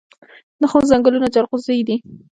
د خوست ځنګلونه جلغوزي دي